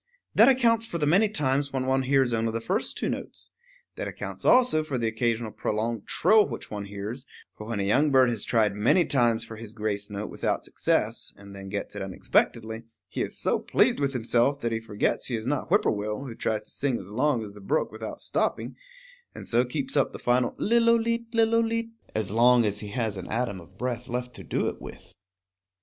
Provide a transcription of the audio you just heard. That accounts for the many times when one hears only the first two notes. That accounts also for the occasional prolonged trill which one hears; for when a young bird has tried many times for his grace note without success, and then gets it unexpectedly, he is so pleased with himself that he forgets he is not Whippoorwill, who tries to sing as long as the brook without stopping, and so keeps up the final lillooleet lillooleet as long as he has an atom of breath left to do it with.